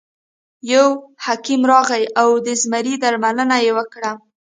یو حکیم راغی او د زمري درملنه یې وکړه.